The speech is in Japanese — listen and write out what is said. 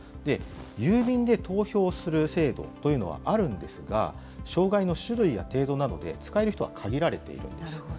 郵便で投票する制度というのはあるんですが、障害の種類や程度などで、使える人は限られているんです。